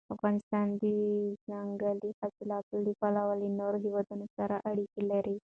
افغانستان د ځنګلي حاصلاتو له پلوه له نورو هېوادونو سره اړیکې لري.